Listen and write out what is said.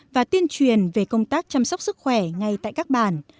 và tuyên truyền về công tác chăm sóc sức khỏe ngay tại các bản